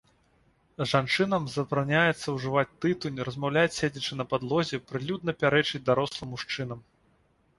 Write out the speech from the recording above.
Жанчынам забараняецца ўжываць тытунь, размаўляць, седзячы на падлозе, прылюдна пярэчыць дарослым мужчынам.